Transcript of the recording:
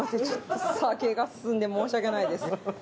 ちょっと酒が進んで申し訳ないです。